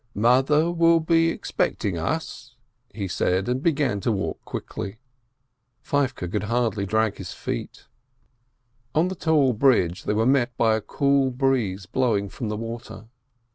"Mother will be expect ing us," he said, and began to walk quickly. Feivke could hardly drag his feet. On the tall bridge they were met by a cool breeze blowing from the water.